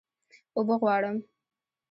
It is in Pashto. اوبه غواړم